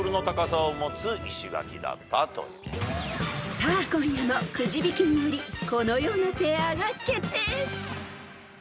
［さあ今夜もくじ引きによりこのようなペアが決定］